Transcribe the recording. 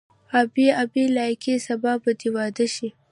آ بي بي لایقې سبا به دې واده شي.